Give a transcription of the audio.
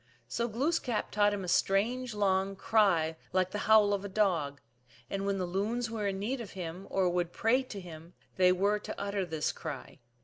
So Glooskap taught him a strange , long cry like the howl of a dog, and when the loons were in need of him or would pray to him they werej to utter this cry.